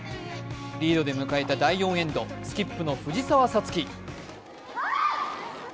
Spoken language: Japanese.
リードで迎えた第４エンド、スキップの藤澤五月。